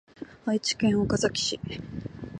愛知県岡崎市